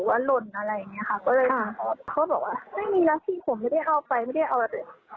เขาบอกว่าไม่มีแล้วที่ผมไม่ได้เอาไปไม่ได้เอาอะไรไป